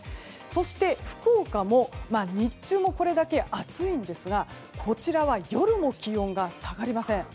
そして福岡も日中もこれだけ暑いんですがこちらは夜も気温が下がりません。